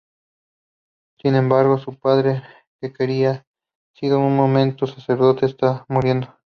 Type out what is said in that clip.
Sin embargo, su padre, que habría sido en su momento sacerdote, está muriendo.